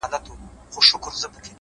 • ځاي پر ځای مړ سو سفر یې نیمه خوا سو ,